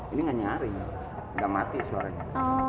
ini gak nyari gak mati suaranya